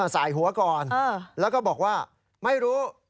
สายหัวก่อนแล้วก็บอกว่าไม่รู้